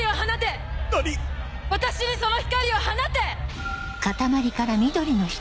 私にその光を放て！